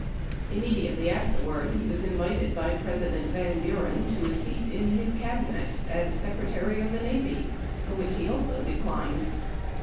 Immediately afterward he was invited by President Van Buren to a seat in his cabinet as Secretary oi the Navy, which he also declined.